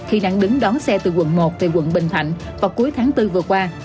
và còn đứng đón xe từ quận một về quận bình thạnh vào cuối tháng bốn vừa qua